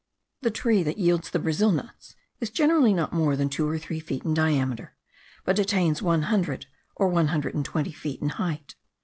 The tree that yields the Brazil nuts is generally not more than two or three feet in diameter, but attains one hundred or one hundred and twenty feet in height.